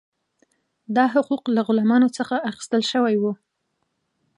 دا حقوق له غلامانو څخه اخیستل شوي وو.